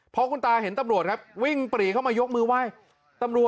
พอคุณตาเห็นตำรวจครับวิ่งปรีเข้ามายกมือไหว้ตำรวจ